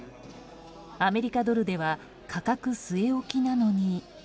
アメリカドルでは価格据え置きなのに。